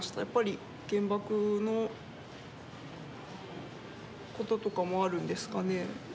やっぱり原爆のこととかもあるんですかね